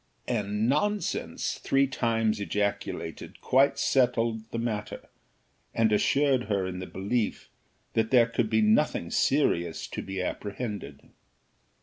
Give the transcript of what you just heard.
And nonsense! three times ejaculated, quite settled the matter, and assured her in the belief that there could be nothing serious to be apprehended.